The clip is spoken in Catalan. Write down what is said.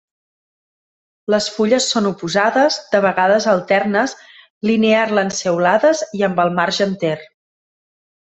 Les fulles són oposades, de vegades alternes, linear-lanceolades i amb el marge enter.